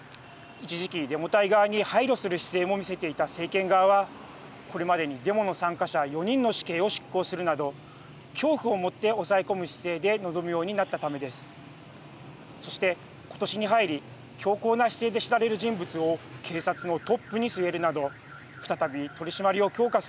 一時期デモ隊側に配慮する姿勢も見せていた政権側はこれまでにデモの参加者４人の死刑を執行するなど恐怖を持って抑え込む姿勢で臨むようになったためです。